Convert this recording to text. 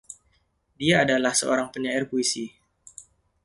Dia adalah seorang penyair puisi.